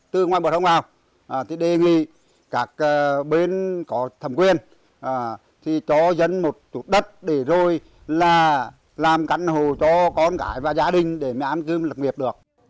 từ ngoài bờ sông vào thì đề nghị các bên có thầm quyền thì cho dân một chút đất để rồi là làm căn hồ cho con gái và gia đình để mà ăn cơm lực nghiệp được